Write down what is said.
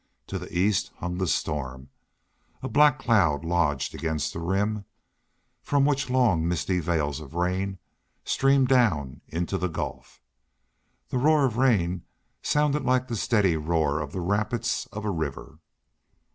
To the east hung the storm a black cloud lodged against the Rim, from which long, misty veils of rain streamed down into the gulf. The roar of rain sounded like the steady roar of the rapids of a river.